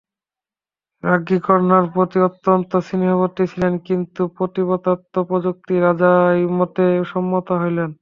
রাজ্ঞী কন্যার প্রতি অত্যন্ত স্নেহবতী ছিলেন কিন্তু পতিব্রতাত্ব প্রযুক্তি রাজার মতেই সম্মতা হইলেন।